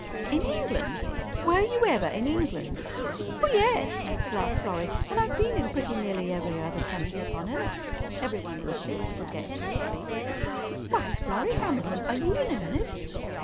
"In England! Were you ever in England?" "Oh, yes," laughed Florrie. "And I've been in pretty nearly every other country upon earth—every one that a ship could get to, at least." "Why, Florrie Hamilton! Are you in earnest?"